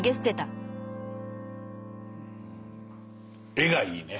絵がいいね。